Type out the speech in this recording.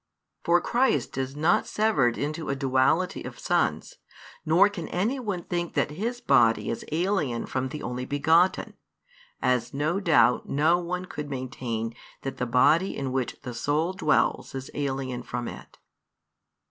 For Christ is not severed into a duality of Sons, nor can any one think that His Body is alien from the Only begotten, as no doubt no one could maintain that the body in which the soul dwells is alien from it.